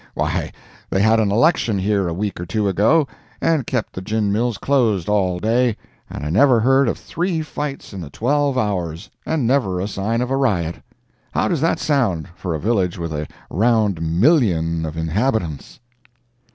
Why, they had an election here a week or two ago, and kept the gin mills closed all day, and I never heard of three fights in the twelve hours, and never a sign of a riot. How does that sound, for a village with a round million of inhabitants?